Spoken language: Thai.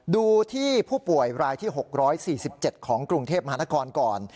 ดูที่ผู้ป่วยรายที่๖๔๗ของกรุงเทพมหานครก่อน